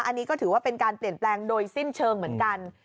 อันนี้ก็ถือว่าเป็นการเปลี่ยนแปลงโดยสิ้นเชิงเหมือนกัน